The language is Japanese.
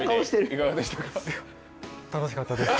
楽しかったです。